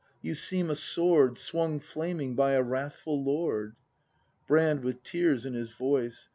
You seem a Sword Swung flaming by a wrathful Lord! Brand. [With tears in his voice.